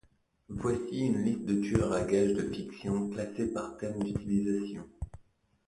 Voici une liste de tueurs à gages de fiction classés par thème d'utilisation.